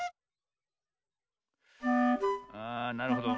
あなるほど。